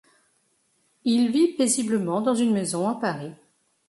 Il vit paisiblement dans une maison à Paris.